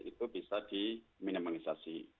itu bisa diminimalisasi